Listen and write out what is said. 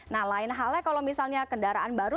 nah lain halnya kalau misalnya kendaraan baru